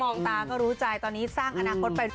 องตาก็รู้ใจตอนนี้สร้างอนาคตไปด้วย